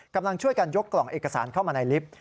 กำลังช่วยกันยกกล่องเอกสารเข้ามาในลิฟต์